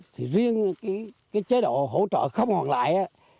thì riêng chế độ hỗ trợ không hoàn lại